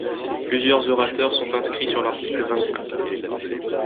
Plusieurs orateurs sont inscrits sur l’article vingt-cinq.